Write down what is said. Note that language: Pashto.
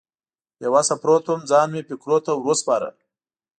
بې وسه پروت وم، ځان مې فکرونو ته ور وسپاره.